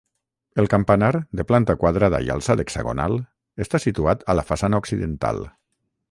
El campanar, de planta quadrada i alçat hexagonal, està situat a la façana occidental.